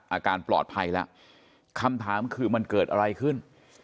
อาการปลอดภัยแล้วคำถามคือมันเกิดอะไรขึ้น